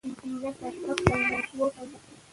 هغه د خپلو اتلانو په فکر کې د سولې ارمان لیده.